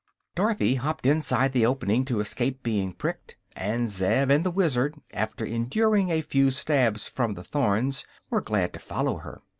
] Dorothy hopped inside the opening to escape being pricked, and Zeb and the Wizard, after enduring a few stabs from the thorns, were glad to follow her.